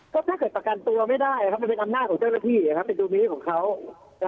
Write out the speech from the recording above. ก็ถ้าเกิดประกันตัวไม่ได้มันเป็นอำนาจของเจ้าหน้าที่เป็นดุมิตรของเขา